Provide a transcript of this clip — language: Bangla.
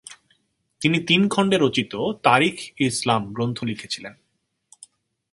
তিনি তিন খণ্ডে রচিত "তারিখ-ই-ইসলাম" গ্রন্থ লিখেছিলেন।